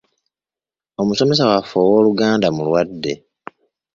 Omusomesa waffe ow’Oluganda mulwadde.